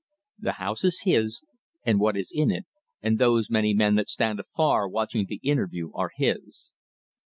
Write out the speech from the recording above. The house is his, and what is in it, and those many men that stand afar watching the interview are his.